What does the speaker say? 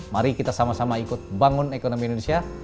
mari kita sama sama ikut bangun ekonomi indonesia